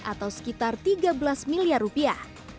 atau sekitar tiga belas miliar rupiah